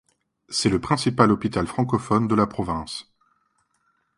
C'est le principal hôpital francophone de la province.